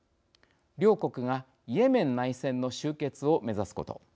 両国が、イエメン内戦の終結を目指すこと。